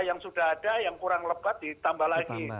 yang sudah ada yang kurang lebat ditambah lagi